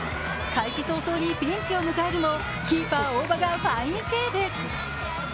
開始早々にピンチを迎えるもキーパー・大場がファインセーブ。